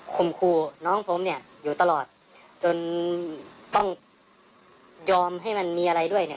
มครูน้องผมเนี่ยอยู่ตลอดจนต้องยอมให้มันมีอะไรด้วยเนี่ย